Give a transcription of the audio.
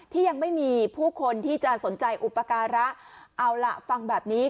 ยังไม่มีผู้คนที่จะสนใจอุปการะเอาล่ะฟังแบบนี้